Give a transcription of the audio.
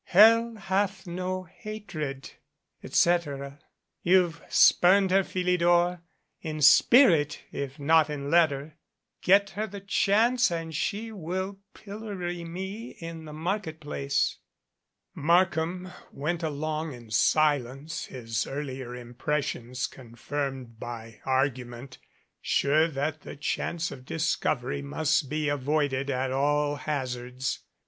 "Hell hath no hatred et cetera. You've spurned her, Philidor, in spirit, if not in letter. Get her the chance and she will pillory me in the market place." Markham went along in silence, his earlier impres sions confirmed by the argument, sure that the chance of discovery must be avoided at all hazards.